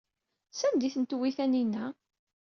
Sanda ay tent-tewwi Taninna?